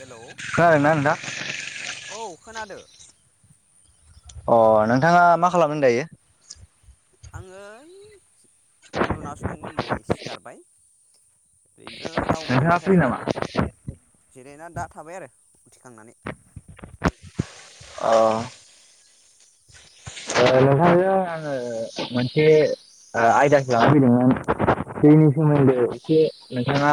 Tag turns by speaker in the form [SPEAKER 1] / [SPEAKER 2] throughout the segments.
[SPEAKER 1] Hello
[SPEAKER 2] खोनादोंना नोंथां?
[SPEAKER 1] औ खोनादो
[SPEAKER 2] अ नोंथाङा मा खालामदों दायो
[SPEAKER 1] आङो उन्दुनासो दंमोन नै सिखारबाय ओरैनो रावबो
[SPEAKER 2] नोंथाङा
[SPEAKER 1] गैयिखाय
[SPEAKER 2] फ्रि नामा
[SPEAKER 1] ओरैनो जिरायना दा थाबाय आरो उथिखांनानै
[SPEAKER 2] अ ओ नोंथांजों आङो मोनसे ओ आयदखौ लानो फैदोंमोन दैनि सोमोन्दै एसे नोंथाङा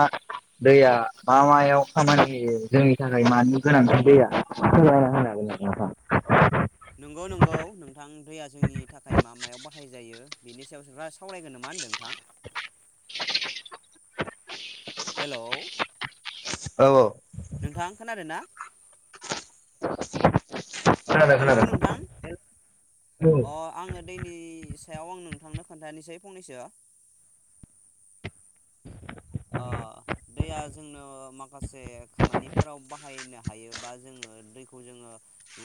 [SPEAKER 2] दैया मा मायाव खामानि होयो जोंनि थाखाय मानि गोनांथि दैयाखौ नायना होनागोन आरो नोंथां
[SPEAKER 1] नंगौ नंगौ नोंथां दैया जोंनि थाखाय मा मायाव बाहाय जायो बेनि सायावसो सावरायगोन नामा होनदों नोंथां हेलौ
[SPEAKER 2] औ औ
[SPEAKER 1] नोंथां खोनादों ना
[SPEAKER 2] खोनादों
[SPEAKER 1] हेलौ
[SPEAKER 2] खोनादों
[SPEAKER 1] नोंथां
[SPEAKER 2] औ औ औ
[SPEAKER 1] अ आङो दैनि सायाव आं नोंथांनो खोन्थानोसै फंनैसो ओ दैया जोंनो माखासे खामानिफोराव बाहायनो हायो बा जोङो दैखौ जोङो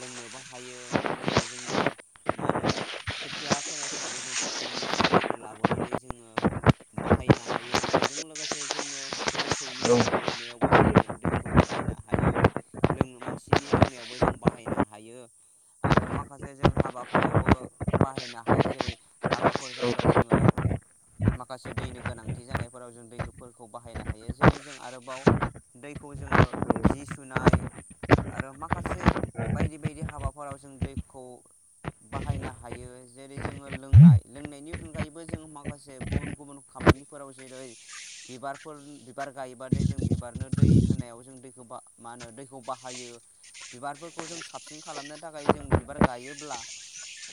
[SPEAKER 1] लोंनोबो हायो दैया जोंनो मा होनो खोथिया फोनायफोरावबो जों फुख्रिनिफ्राय दैखौ लाबोनानै जोङो बाहायनो हायो बेजों लोगोसे मासे जोङो मोसौनि दै
[SPEAKER 2] औ
[SPEAKER 1] दौनायावबो जोङो दैखौ बाहायनो हायो मानसिनि लोंनायावबो जों बाहायनो हायो आरो माखासे जों हाबाफोरावबो बाहायनो हायो जेरै हाबाफोर
[SPEAKER 2] औ
[SPEAKER 1] जायोबा जोङो माखासे दैनि गोनांथि जानायफोराव जों दै खौबो बाहायनो हायो जेरै जों आरोबाव दैखौ जोङो जि सुनाय आरो माखासे बायदि बायदि हाबाफोराव जों दैखौ बाहायनो हायो जेरै जोङो लोंनाय लोंनायनि अनगायैबो जों माखासे गुबुन गुबुन खामानिफोराव जेरै बिबारफोर बिबार गायबाथाय जों बिबारनो दै होनायाव जों दैखौ मा होनो दैखौ बाहायो बिबारफोरखौ जों साबसिन खालामनो थाखाय जों बिबार गायोब्ला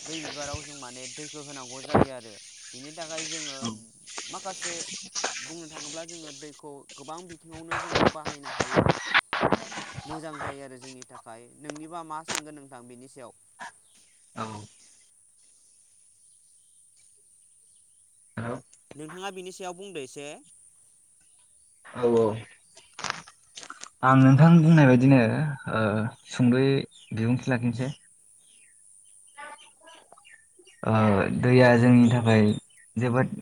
[SPEAKER 1] बै बिबाराव जों माने दैखौ होनांगौ जायो आरो बिनि थाखाय जोङो माखासे बुंनो थाङोब्ला जोङो दैखौ गोबां बिथिङावनो जोङो बाहायनो हायो मोजां जायो आरो जोंनि थाखाय नोंनिबा मा सानगोन नोंथां बेनि सायाव नोंथाङा बिनि सायाव बुंदो एसे
[SPEAKER 2] औ औ आं नोंथां बुंनाय बायदिनो ओ सुंद' बिबुंथि लाखिनोसै। ओ दैया जोंनि थाखाय जोबोद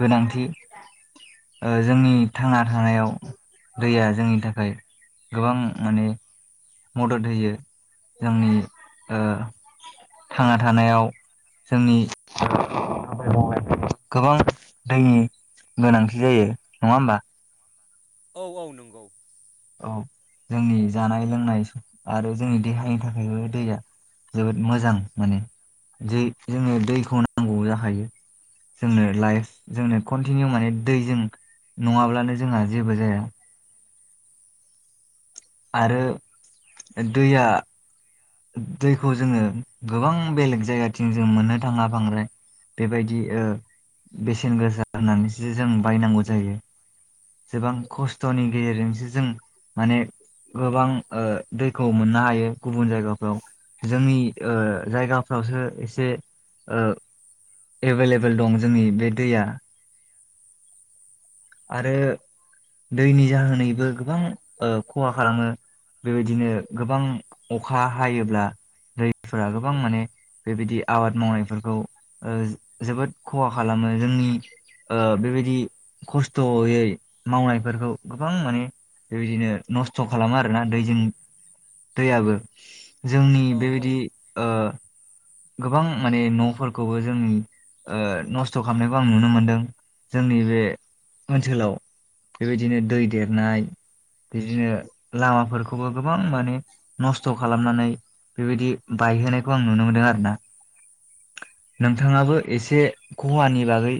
[SPEAKER 2] गोनांथि ओ जोंनि थांना थानायाव दैया जोंनि थाखाय गोबां माने मदद होयो जोंनि ओ थांना थानायाव जोंनि मावनाय गोबां दैनि गोनांथि जायो नङा होमबा?
[SPEAKER 1] औ औ नंगौ
[SPEAKER 2] औ जोंनि जानाय लोंनाय आरो जोंनि देहानि थाखायबो दैया जोबोद मोजां माने जोंनो दैखौ नांगौ जाखायो जोंनो लाइफ जोंनो कन्टिनिउ माने दैजों नङाब्लानो जोंहा जेबो जाया। आरो दैया दैखौ जोङो गोबां बेलेग जायगाथिं जों मोननो थाङा बांद्राय बेबायदि ओ बेसेन गोसा होननानैसो जों बायनांगौ जायो गोबां खस्थ'नि गेजेरजोंसो जों ओ माने गोबां ओ दैखौ मोननो हायो गुबुन जायगा जोंनि ओ जायगाफ्रावसो एसे ओ एभेलेबेल दं जोंनि बे दैया आरो दैनि जाहोनैबो गोबां ओ खहा खालामो बेबायदिनो गोबां अखा हायोब्ला दैफोरा गोबां माने बेबायदि आबाद मावनायफोरखौ ओ जो-जोबोद खहा खालामो जोंनि ओ बेबायदि खस्थ'यै मावनायफोरखौ गोबां माने बेबायदिनो नस्थ' खालामो आरोना दैजों दैयाबो जोंनि
[SPEAKER 1] औ औ
[SPEAKER 2] बेबायदि ओ गोबां माने न'फोरखौबो जों ओ नस्थ' खालामनायखौ आं नुनो मोनदों जोंनि बे ओनसोलाव बेबायदिनो दै देरनाय बिदिनो लामाफोरखौबो गोबां माने नस्थ' खालामनानै बेबायदि बायहोनायखौ आं नुनो मोनदों आरो। ना नोंथाङाबो एसे खहानि बागै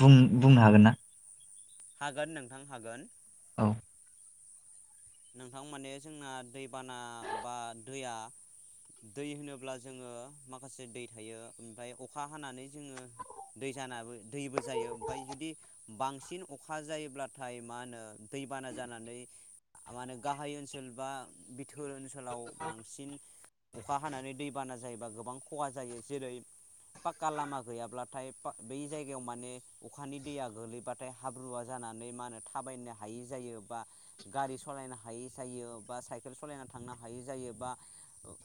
[SPEAKER 2] बुं-बुंनो हागोन ना?
[SPEAKER 1] हागोन नोंथां हागोन
[SPEAKER 2] औ
[SPEAKER 1] नोंथां माने जोंना दैबाना बा दैया दै होनोब्ला जोङो माखासे दै थायो ओमफ्राय अखा हानानै जोङो दै जानाबो दैबो जायो ओमफ्राय जुदि बांसिन अखा जायोब्लाथाय मा होनो दैबाना जानानै आरो गाहाय ओनसोल बा बिथ बेफोर ओनसोलाव बांसिन अखा हानानै दैबाना जायोबा गोबां खहा जायो जेरै पाक्का लामा गैयाब्लाथाय बै जायगायाव माने अखानि दैया गोगलैबाथाय हाब्रुवा जानानै मा होनो थाबायनो हायि जायो बा गारि सलायनो हायि जायो बा साइकेल सलायना थांनो हायै जायो बा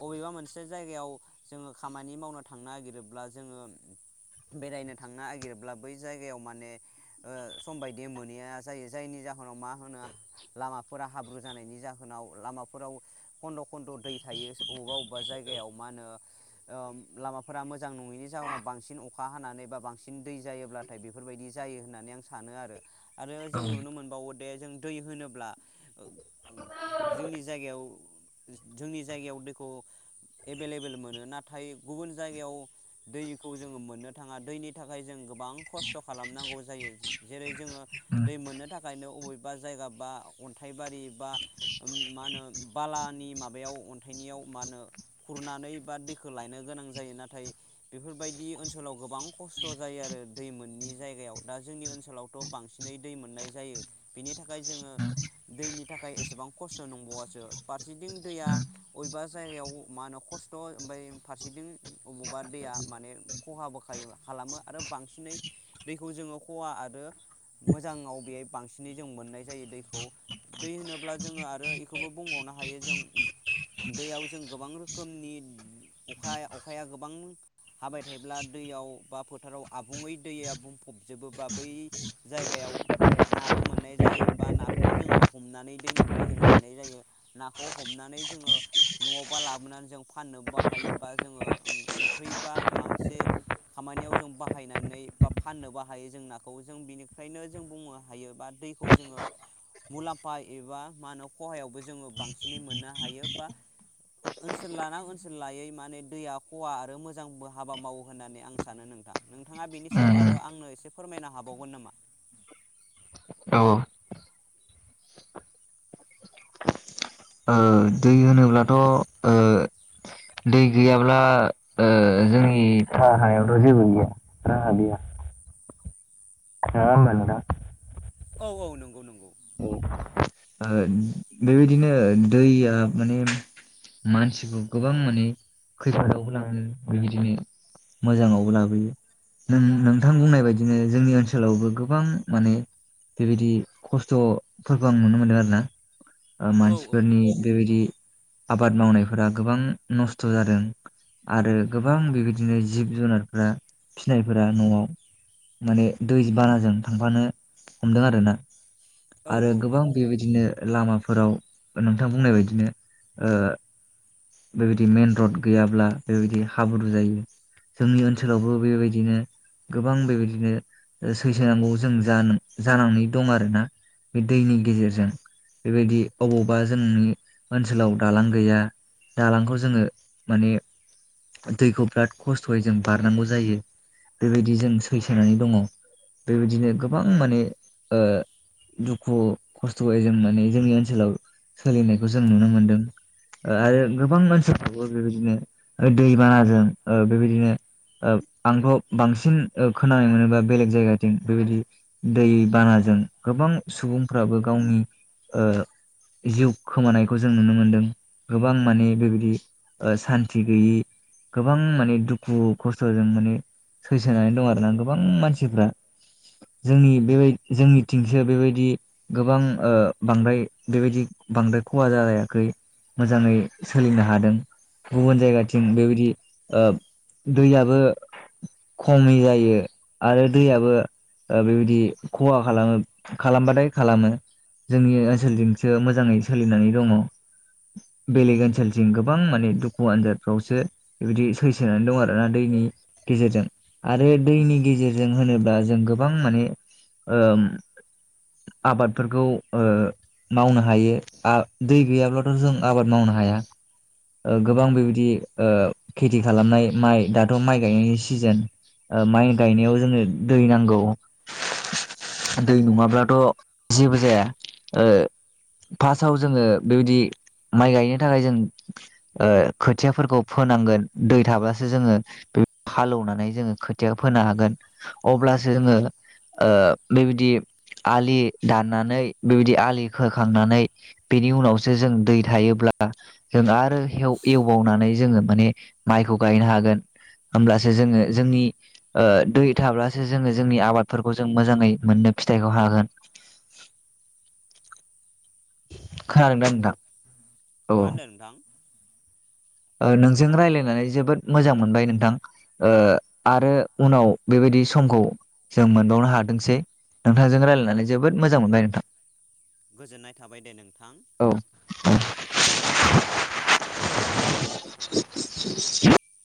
[SPEAKER 1] अबेबा मोनसे जायगायाव जोङो खामानि मावनो थांनो नागिरोब्ला जोङो बेरायनो थांनो नागिरोब्ला बै जायगायाव माने ओ सम बायदि मोनहैया जायो जायनि जाहोनाव मा होनो लामाफोरा हाब्रु जानायनि जाहोनाव लामाफोराव खन्द' खन्द' दै थायो अबेबा बबेबा जायगायाव मा होनो ओ लामाफोरा मोजां नङैनि जाहोनाव बांसिन अखा हानानै बा बांसिन दै जायोब्लाथाय बेफोरबायदि जायो होननानै आं सानो आरो आरो जों
[SPEAKER 2] उम
[SPEAKER 1] नुनो मोनबावो दे जों दै होनो ब्ला जोंनि जायगायाव जोंनि जायगायाव दैखौ एभेलेबेल मोनो नाथाय गुबुन जायगायाव दैखौ जोङो मोननो थाङा दैनि थाखाय जों गोबां खस्थ' खालामनांगौ जायो जेरै जोङो दै मोननो थाखायनो अबेबा जायगा बा अन्थाइबारि बा मा होनो बालानि माबायाव अन्थाइनियाव मा होनो खुरनानै बा दैखौ लायनो गोनां जायो नाथाय बेफोरबायदि ओनसोलाव गोबां खस्थ' जायो आरो दै मोनै जायगायाव दा जोंनि ओनसोलावथ' बांसिनै दै मोननाय जायो बिनि थाखाय जोङो दैनि थाखाय एसेबां खस्थ' नंबावासो फारसेथिं दैया अबेबा जायगायाव मा होनो खस्थ' ओमफ्राय फारसेथिं अबोबा दैया माने खहाबोखायो खालामो आरो बांसिनै दैखौ जोङो खहा आरो मोजाङाव बेहाय बांसिनै जों मोननाय जायो दै खौ दै होनोब्ला जोङो आरो इखौबो बुंबावनो हायो जों दैयाव जों गोबां रोखोमनि अखा अखाया गोबां हाबाय थायोब्ला दैयाव बा फोथाराव आबुङै दैया बुंफबजोबो बा बै जायगायाव नाबो मोननाय जायो बा ना खौ जोङो हमनानै दैनिफ्राय जों लायनाय जायो नाखौ हमनानै जोङो न'आवबा लाबोनानै जों फाननोबो हायो बा जोङो ओंख्रि बा माबा मोनसे खामानियाव जों बाहायनानै बा फाननोबो हायो जों नाखौ जों बिनिफ्रायनो जों बुंनो हायो बा दैखौ जोङो मुलाम्फा एबा मा होनो खहायावबो जोङो बांसिनै मोननो हायो बा ओनसोल लाना ओनसोल लायै माने दैया खहा आरो मोजांबो हाबा मावो होननानै आं सानो नोंथां नोंथाङा बेनि सायाव
[SPEAKER 2] उम
[SPEAKER 1] आरो आंनो एसे फोरमायनो हाबावगोन नामा?
[SPEAKER 2] औ ओ दै होनोब्लाथ' ओ दै गैयाब्ला ओ जोंनि हायावथ' जेबो गैया राहा गैया। नङा होनबा नोंथां?
[SPEAKER 1] औ औ नंगौ नंगौ
[SPEAKER 2] ओ बेबायदिनो दैया माने मानसिखौ गोबां माने खैफोदावबो लाङो बेबायदिनो मोजाङावबो लाबोयो नों नोंथां बुंनाय बायदिनो जोंनि ओनसोलावबो गोबां माने बेबायदि खस्थ'फोरबो मोनो मोनो आरोना ओ
[SPEAKER 1] औ औ
[SPEAKER 2] मानसिफोरनि बेबायदि आबाद मावनायफोरा गोबां नस्थ' जादों आरो गोबां बेबायदिनो जिब जुनारफोरा फिसिनायफोरा न'आव माने दै बानाजों थांफानो हमदों आरो ना।
[SPEAKER 1] औ औ औ
[SPEAKER 2] बेबायदिनो लामाफोराव नोंथां बुंनाय बायदिनो ओ बेबायदि मेन रड गैयाब्ला बेबायदि हाब्रु जायो जोंनि ओनसोलावबो बेबायदिनो गोबां बेबायदिनो सैसोनांगौ जों जानां दं आरोना बे दैनि गेजेर जों बेबायदि अबावबा जोंनि ओनसोलाव दालां गैया दालांखौ जोङो माने दैखौ बिराद खस्थ'यै जों बारनांगौ जायो बेबायदि जों सैसोनानै दङ बेबायदिनो गोबां माने ओ दुखु खस्थ'यै जों माने जोंनि ओनसोलाव सोलिनायखौ जों नुनो मोनदों ओ आरो गोबां ओनसोलफ्रावबो बेबायदिनो दै बानाजों ओ बेबायदिनो ओ आंथ' बांसिन खोनानाय मोनोबा बेलेग जायगाथिं बेबायदि दै बानाजों गोबां सुबुं फोराबो गावनि ओ जिउ खोमानायखौ जों नुनो मोनदों गोबां माने बेबायदि ओ सानथि गैयि गोबां माने दुखु खस्थ'जों माने सैसोनानै दं आरोना गोबां मानसिफ्रा जोंनि बेबाय जोंनि थिंसो बेबायदि गोबां ओ बांद्राय बेबायदि बांद्राय खहा जायाखै मोजाङै सोलिनो हादों गुबुन जायगाथिं बेबायदि ओ दैयाबो खमै जायो आरो दैयाबो ओ बेबायदि खहा खालामो खालामबाथाय खालामो जोंनि ओनसोलजोंसो मोजाङै सोलिनानै दङ बेलेग ओनसोलजों गोबां माने दुखु आन्जादफ्रावसो बिबायदि सैसोनानै दङ आरोना दैनि गेजेरजों आरो दैनि गेजेरजों होनोब्ला जों गोबां माने ओ आबादफोरखौ ओ मावनो हायो दै गैयाब्लाथ' जों आबाद मावनो हाया ओ गोबां बेबायदि ओ खेथि खालामनाय माइ दाथ' माइ गायनायनि सिजोन ओ माइ गायनायाव जोङो दै नांगौ दै नङाब्ला थ' जेबो जाया ओ फार्स्टआव जोङो बेबायदि माइ गायनो थाखाय जों ओ खोथियाफोरखौ फोनांगोन दै थाब्लासो जोङो बे हालौवनानै जोङो खोथिया फोनो हागोन अब्लासो जोङो ओ बेबायदि आलि दाननानै बेबायदि आलि खोखांनानै बेनि उनावसो जों दै थायोब्ला जों आरो एवबावनानै जोङो माने माइखौ गायनो हागोन होमब्लासो जोङो जोंनि दै ओ थाब्लासो जोङो जोंनि आबादफोरखौ जों मोजाङै मोननो फि थाइखौ हागोन खोनादोंदा
[SPEAKER 1] नंगौ मा
[SPEAKER 2] नोंथां
[SPEAKER 1] होनदों नोंथां
[SPEAKER 2] ओ नोंजों रायलायनानै जोबोद मोजां मोनबाय नोंथां ओ आरो उनाव बेबायदि समखौ जों मोनबावनो हाथोंसै नोंथांजों रायलायनानै जोबोद मोजां मोनबाय नोंथां
[SPEAKER 1] गोजोननाय थाबाय दे नोंथां
[SPEAKER 2] औ [inaudible]